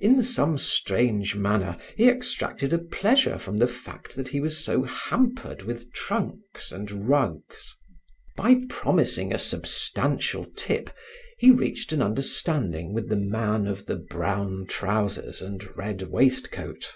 In some strange manner he extracted a pleasure from the fact that he was so hampered with trunks and rugs. By promising a substantial tip, he reached an understanding with the man of the brown trousers and red waistcoat.